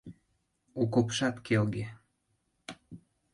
Окопшат келге.